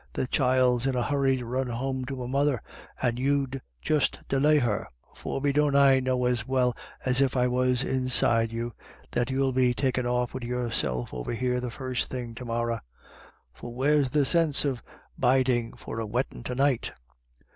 The child's in a hurry to run home to her mother, and you'd just delay her. Forby, don't I know as well as if I was inside you, that you'll be takin' off wid your self over here the first thing to morra ; so where's the sinse of bidin' for a wettin' to night